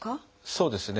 そうですね。